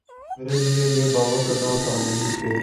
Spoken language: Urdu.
میرے لیے یہ باور کرنا آسان نہیں کہ